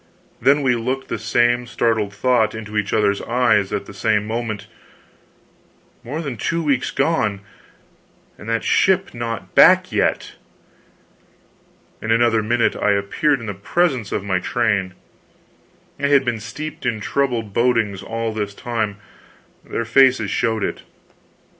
Then we looked the same startled thought into each other's eyes at the same moment; more than two weeks gone, and that ship not back yet! In another minute I appeared in the presence of my train. They had been steeped in troubled bodings all this time their faces showed it.